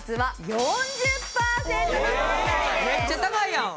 めっちゃ高いやん！